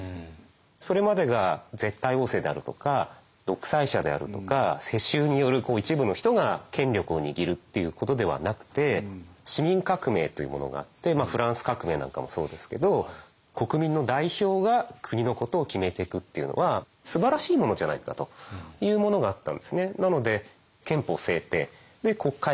それまでが絶対王政であるとか独裁者であるとか世襲による一部の人が権力を握るっていうことではなくて市民革命というものがあってフランス革命なんかもそうですけど国民の代表が国のことを決めてくっていうのはすばらしいものじゃないかというものがあったんですね。